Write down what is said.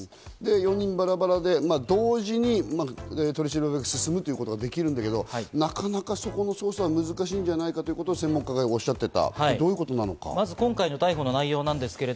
４人バラバラで、同時に取り調べが進むということができるんだけれども、なかなか、そこの捜査が難しいんじゃないかと、専門家がおっしゃっていた。